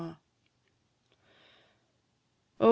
O!